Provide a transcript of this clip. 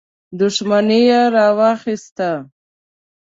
دښمني راواخیسته.